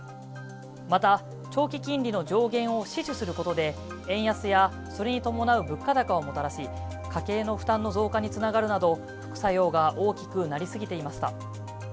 また長期金利の上限を死守することで、円安やそれに伴う物価高をもたらし家計の負担の増加につながるなど副作用が大きくなりすぎていました。